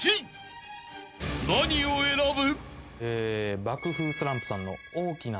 ［何を選ぶ？］